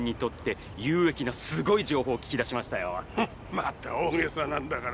また大げさなんだから。